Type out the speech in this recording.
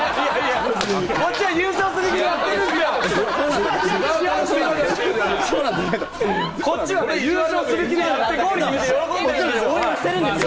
こっちは優勝する気でやってるんだよ！